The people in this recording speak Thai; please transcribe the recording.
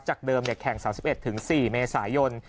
เดิมแข่ง๓๑๔เมษายน